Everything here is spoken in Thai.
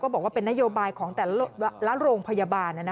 บอกว่าเป็นนโยบายของแต่ละโรงพยาบาล